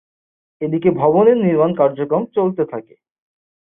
এদিকে ভবনের নির্মাণ কার্যক্রম চলতে থাকে।